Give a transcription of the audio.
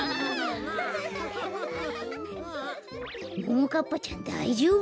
ももかっぱちゃんだいじょうぶ？